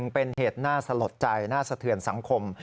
เป็นเหตุน่าสลดใจน่าสะเทือนสังคม